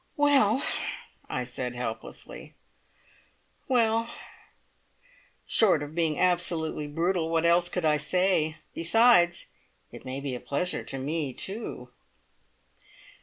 "Well!" I said helplessly. "Well!" Short of being absolutely brutal, what else could I say? Besides it may be a pleasure to me, too!